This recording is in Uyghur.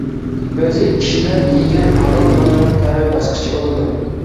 ئۆزى ئىشلەپ يېگەن ھالال ناننىڭ تەمى باشقىچە بولىدۇ.